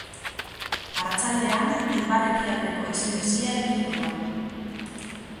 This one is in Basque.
Arratsaldean ipar-ekialdeko haize bizia ibiliko da.